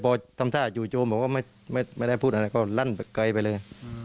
พอทำท่าจู่โจมบอกว่าไม่ได้พูดอะไรก็ลั่นไปไกลไปเลย